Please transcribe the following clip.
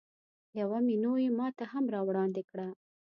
یوه مینو یې ماته هم راوړاندې کړه.